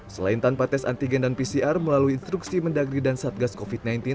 selain tanpa tes antigen dan pcr melalui instruksi mendagri dan satgas covid sembilan belas